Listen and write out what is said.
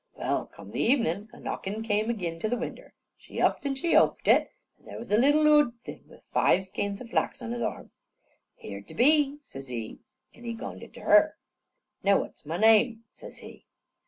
Well, come the evenin', a knockin' come agin to the winder. She upped an' she oped it, and there were the little oo'd thing, with five skeins of flax on his arm. "Here te be," says he, an' he gonned it to her. "Now, what's my name?" says he.